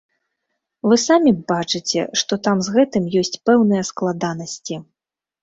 Вы самі бачыце, што там з гэтым ёсць пэўныя складанасці.